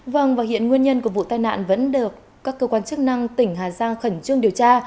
vâng và hiện nguyên nhân của vụ tai nạn vẫn được các cơ quan chức năng tỉnh hà giang khẩn trương điều tra